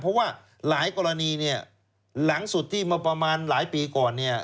เพราะว่าหลายกรณีเนี่ยหลังสุดที่มาประมาณหลายปีก่อนเนี่ย